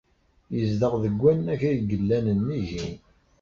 Yezdeɣ deg wannag ay yellan nnig-i.